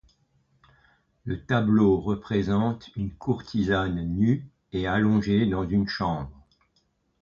Le tableau représente une courtisane nue et allongée dans une chambre.